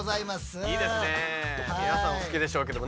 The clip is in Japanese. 皆さんお好きでしょうけども。